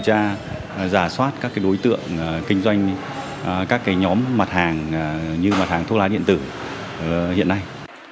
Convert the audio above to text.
các nhóm mặt hàng như mặt hàng thuốc lá điện tử hiện nay